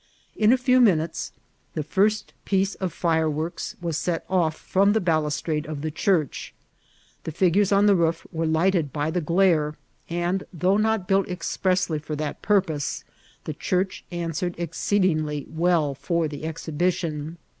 In a few muratee the first piece of fireworks was set off irom the balustrade of the oboroh ; the figures on the jroof were lighted by the glare, and, though it6t bmh expressly for that purpose, the church answered ex* oeedingly well for the exhibition.